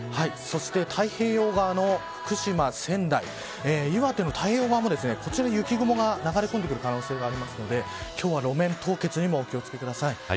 そして太平洋側の福島、仙台岩手の太平洋側もこちらも雪雲が流れ込んでくる可能性があるので今日は路面凍結も気を付けください。